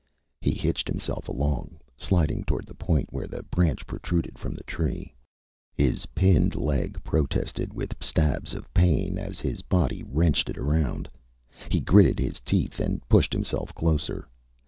He hitched himself along, sliding toward the point where the branch protruded from the tree. His pinned leg protested with stabs of pain as his body wrenched it around. He gritted his teeth and pushed himself closer.